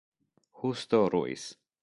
Justo Ruiz